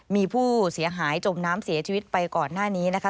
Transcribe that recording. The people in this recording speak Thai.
มีผู้เสียหายจมน้ำเสียชีวิตไปก่อนหน้านี้นะคะ